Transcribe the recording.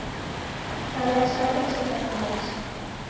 Chala chake cheka kilacha.